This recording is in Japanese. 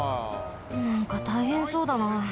なんかたいへんそうだな。